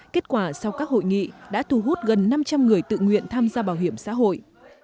kết quả sau các hội nghị đã thu hút gần năm trăm linh người tự nguyện tham gia bảo hiểm xã hội